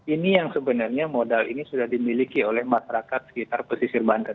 ini yang sebenarnya modal ini sudah dimiliki oleh masyarakat sekitar pesisir banten